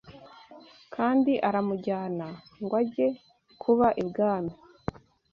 kandi aramujyana ngo ajye kuba ibwami